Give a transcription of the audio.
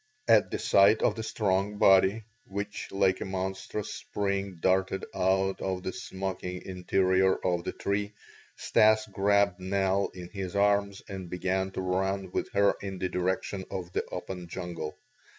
At the sight of the strong body, which, like a monstrous spring, darted out of the smoking interior of the tree, Stas grabbed Nell in his arms and began to run with her in the direction of the open jungle.